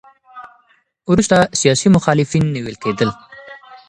وروسته سیاسي مخالفین نیول کېدل.